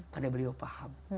karena beliau paham